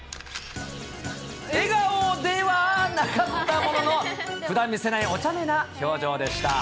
笑顔ではなかったものの、ふだん見せないおちゃめな表情でした。